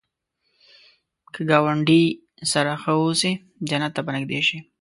که ګاونډي سره ښه اوسې، جنت ته به نږدې شې